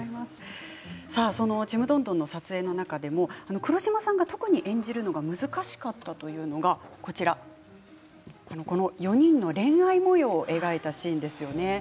その「ちむどんどん」の撮影の中でも黒島さんが特に演じるのが難しかったというのがこの４人の恋愛もようを描いたシーンですよね。